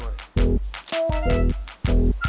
akalan yuk terlaughter